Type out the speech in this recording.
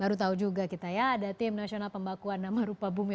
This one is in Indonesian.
baru tahu juga kita ya ada tim nasional pembakuan nama rupa bumi